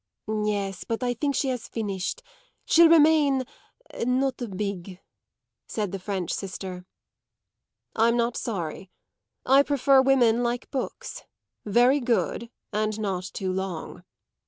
"Yes, but I think she has finished. She'll remain not big," said the French sister. "I'm not sorry. I prefer women like books very good and not too long.